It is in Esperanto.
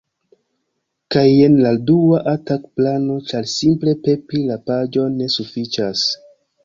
Kaj jen la dua atak-plano ĉar simple pepi la paĝon ne sufiĉas